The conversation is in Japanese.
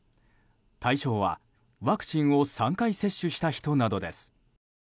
対象はワクチンを３回接種した人などです。